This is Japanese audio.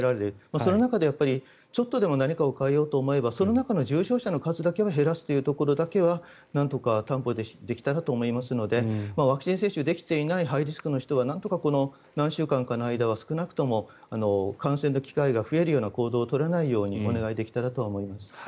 その中でも何かを変えようと思えばその中の重症者の数だけは減らすというところだけはなんとか担保できたなと思いますのでワクチン接種できていないハイリスクの人はなんとか何週間かの間は少なくとも感染の機会が増えるような行動を取らないようにお願いできたらと思います。